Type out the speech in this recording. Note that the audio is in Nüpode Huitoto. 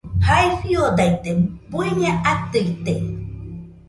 Jae fiodaite bueñe atɨite